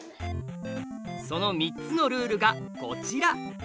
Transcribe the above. その３つのルールがこちら！